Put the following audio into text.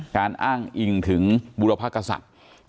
อ้างอิงถึงบุรพกษัตริย์